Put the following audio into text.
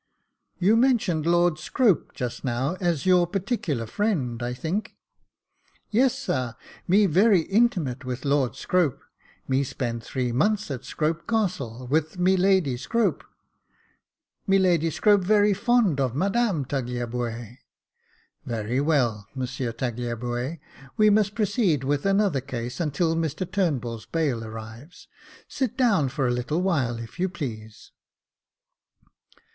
" You mentioned Lord Scrope just now as your partic ular friend, I think ?"" Yes, sar, me very intimate with Lord Scrope ; me spend three months at Scrope Castle with mi Lady Scrope ; mi Lady Scrope very fond of Madame Tagliabue." "Very well. Monsieur Tagliabue; we must proceed with another case until Mr Turnbull's bail arrives. Sit down for a little while, if you please."